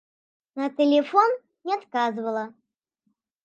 На тэлефон не адказвала.